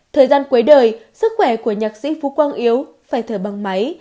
thời gian cuối đời sức khỏe của nhạc sĩ phú quang yếu phải thở bằng máy